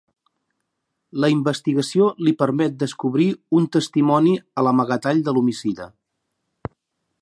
La investigació li permet descobrir un testimoni a l'amagatall de l'homicida: